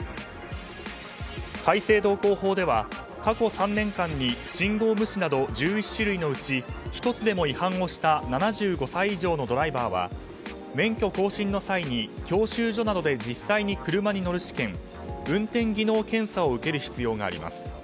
改正道交法では、過去３年間に信号無視など１１種類のうち１つでも違反をした７５歳以上のドライバーは免許更新の際に教習所などで実際に車に乗る試験運転技能検査を受ける必要があります。